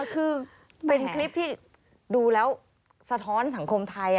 คือเป็นคลิปที่ดูแล้วสะท้อนสังคมไทย